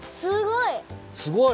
すごい！